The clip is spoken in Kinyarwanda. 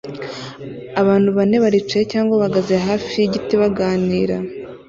Abantu bane baricaye cyangwa bahagaze hafi yigiti baganira